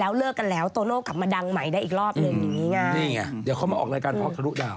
หลายคนพวกแฟนคลับก็จะไปเขียนว่า